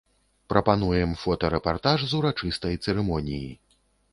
Прапануем фотарэпартаж з урачыстай цырымоніі.